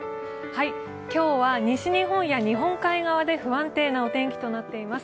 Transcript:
今日は西日本や日本海側で不安定なお天気となっています。